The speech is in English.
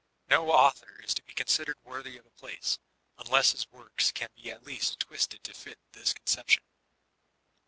No author is to be considered worthy of a place, unless hb works can be at least twisted to fit this conception.